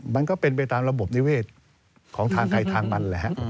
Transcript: มันก็เป็นไปตามระบบนิเวศของทางใครทางมันแหละฮะ